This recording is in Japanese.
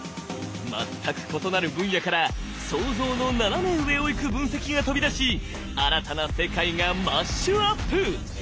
全く異なる分野から想像の斜め上をいく分析が飛び出し新たな世界がマッシュアップ！